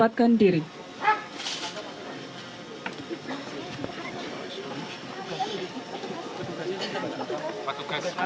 pasukan sals script